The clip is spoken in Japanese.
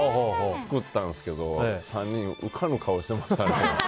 作ったんですけど３人浮かぬ顔してましたね。